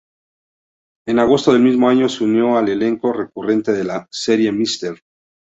En agosto del mismo año se unió al elenco recurrente de la serie Mr.